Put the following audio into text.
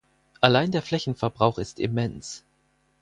Allein der Flächenverbrauch ist immens.